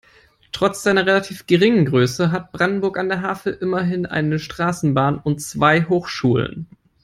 Trotz seiner relativ geringen Größe hat Brandenburg an der Havel immerhin eine Straßenbahn und zwei Hochschulen.